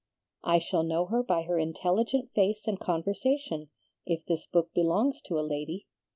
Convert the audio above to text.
"'I shall know her by her intelligent face and conversation, if this book belongs to a lady.